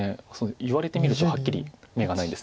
言われてみるとはっきり眼がないです。